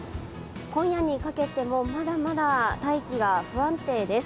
今夜にかけてもまだまだ大気が不安定です。